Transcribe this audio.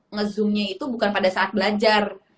ngezoomnya itu bukan pada saat belajar